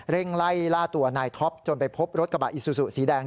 ไล่ล่าตัวนายท็อปจนไปพบรถกระบะอิซูซูสีแดง